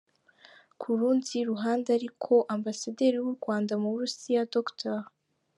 Ku rundi ruhande ariko Ambasaderi w’u Rwanda mu Burusiya, Dr.